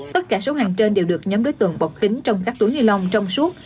tất cả số hàng trên đều được nhắm đối tượng bọt kính trong các túi nilon trong suốt